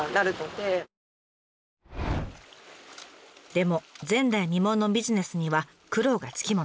でも前代未聞のビジネスには苦労が付き物。